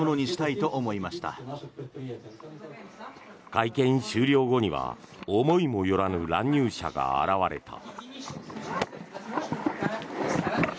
会見終了後には思いもよらぬ乱入者が現れた。